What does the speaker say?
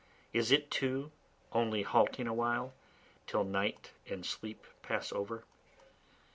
is it too only halting awhile, Till night and sleep pass over?)